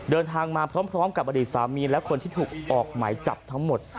เดินทางมาพร้อมกับอดีตสามีและคนที่ถูกออกหมายจับทั้งหมด